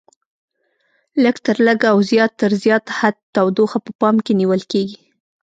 لږ تر لږه او زیات تر زیات حد تودوخه په پام کې نیول کېږي.